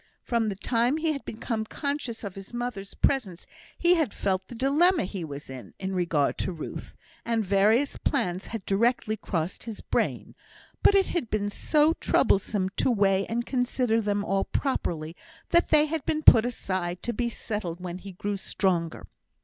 From the time he had become conscious of his mother's presence, he had felt the dilemma he was in in regard to Ruth, and various plans had directly crossed his brain; but it had been so troublesome to weigh and consider them all properly, that they had been put aside to be settled when he grew stronger.